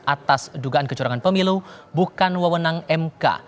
atas dugaan kecurangan pemilu bukan wewenang mk